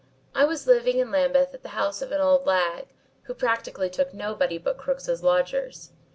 I was living in Lambeth at the house of an old lag, who practically took nobody but crooks as lodgers.